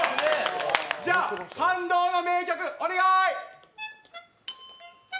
じゃあ、感動名曲、お願い。